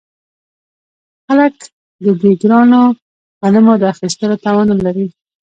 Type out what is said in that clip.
خلک د دې ګرانو غنمو د اخیستلو توان نلري